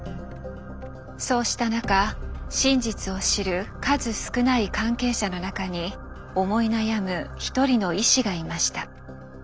そうした中真実を知る数少ない関係者の中に思い悩む一人の医師がいました。